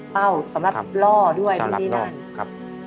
เป้าสำหรับล่อด้วยสำหรับล่อครับ